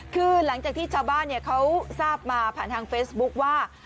คือหลังจากที่ชาวบ้านเขาทราบมาผ่านทางเฟซบุ๊คว่า